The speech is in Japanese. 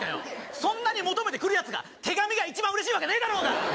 そんなに求めてくるやつが、手紙が一番うれしいわけないだろ。